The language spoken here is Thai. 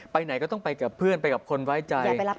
ไปไหนก็ต้องไปกับเพื่อนไปกับคนไว้ใจ